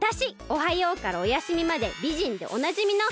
おはようからおやすみまでびじんでおなじみの。